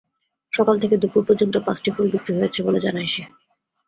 সকাল থেকে দুপুর পর্যন্ত পাঁচটি ফুল বিক্রি হয়েছে বলে জানায় সে।